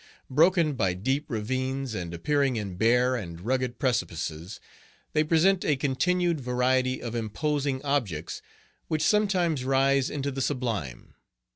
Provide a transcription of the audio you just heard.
Broken by deep ravines, and appearing in bare and rugged precipices, they present a continued variety of imposing objects which sometimes rise into the sublime.